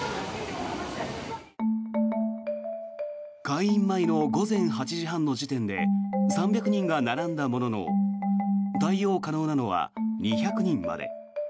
開院前の午前８時半の時点で３００人が並んだものの対応可能なのは２００人まで。